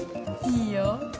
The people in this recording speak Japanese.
いいよ